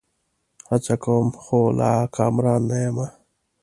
هڅه کوم؛ خو لا کامران نه یمه